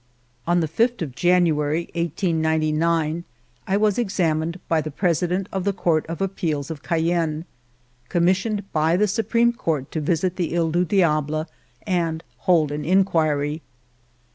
On the 5th of January, 1899, I was examined by the President of the Court of Appeals of Cayenne, commissioned by the Supreme Court to visit the He du Diable and hold an inquiry.